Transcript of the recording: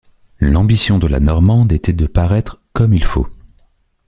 L’ambition de la Normande était de paraître « comme il faut.